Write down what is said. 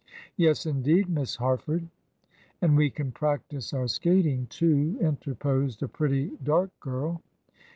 "Yes, indeed, Miss Harford." "And we can practise our skating, too," interposed a pretty, dark girl.